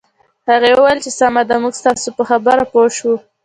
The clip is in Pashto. هغې وویل چې سمه ده موږ ستاسو په خبره پوه شوو